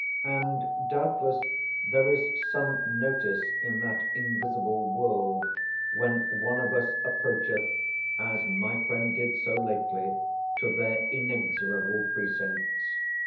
And, doubtless, there is some notice in that invisible world, when one of us approacheth (as my friend did so lately) to their inexorable precincts.